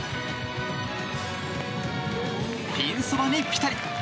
ピンそばにピタリ。